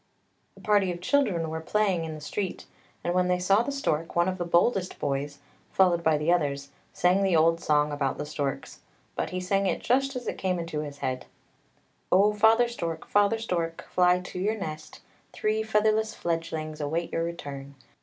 A party of children were playing in the street, and when they saw the stork, one of the boldest boys, followed by the others, sang the old song about the storks, but he sang it just as it came into his head, —" Oh! father stork, father stork, fly to your nest, Three featherless fledglings await your return.